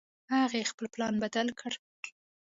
هغې خپل پلان بدل کړ